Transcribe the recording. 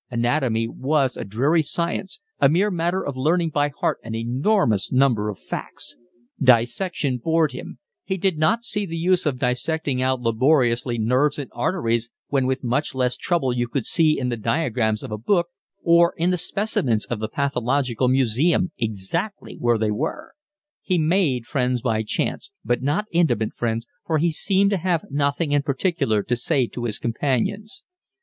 Anatomy was a dreary science, a mere matter of learning by heart an enormous number of facts; dissection bored him; he did not see the use of dissecting out laboriously nerves and arteries when with much less trouble you could see in the diagrams of a book or in the specimens of the pathological museum exactly where they were. He made friends by chance, but not intimate friends, for he seemed to have nothing in particular to say to his companions.